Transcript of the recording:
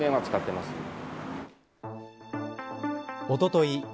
おととい